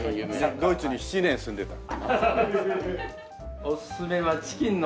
ドイツに７年住んでたの。